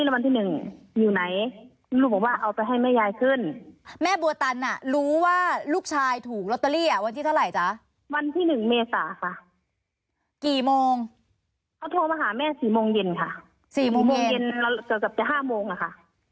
๔โมงเย็นแล้วเจอกับจะ๕โมงค่ะ